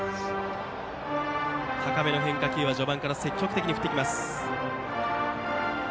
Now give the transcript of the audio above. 高めの変化球を序盤から積極的に振っていきます。